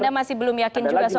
anda masih belum yakin juga soal